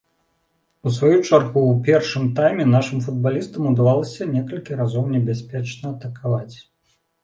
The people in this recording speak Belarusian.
У сваю чаргу ў першым тайме нашым футбалістам удавалася некалькі разоў небяспечна атакаваць.